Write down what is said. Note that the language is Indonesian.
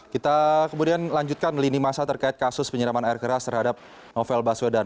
kita kemudian lanjutkan lini masa terkait kasus penyiraman air keras terhadap novel baswedan